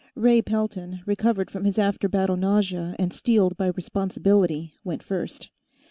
Ray Pelton, recovered from his after battle nausea and steeled by responsibility, went first.